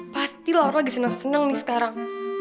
pasti laura lagi seneng seneng nih sekarang